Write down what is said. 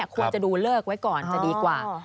ควรจะดูเลิกไว้ก่อนจะดีกว่า